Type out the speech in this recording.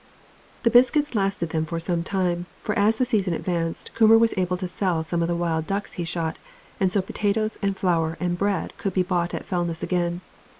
The biscuits lasted them for some time, for as the season advanced Coomber was able to sell some of the wild ducks he shot, and so potatoes, and flour, and bread could be brought at Fellness again.